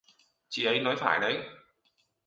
Chị ấy nói phải đấy